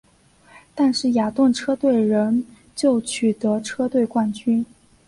但是雅顿车队仍旧取得车队冠军。